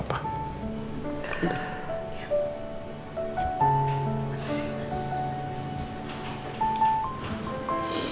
makasih ya pa